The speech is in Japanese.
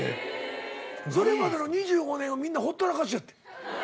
それまでの２５年はみんなほったらかしやってん。